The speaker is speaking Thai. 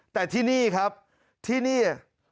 แต่ที่นี่ครับที่นี่